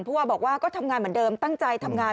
ว่าบอกว่าก็ทำงานเหมือนเดิมตั้งใจทำงาน